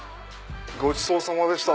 ごちそうさまでした。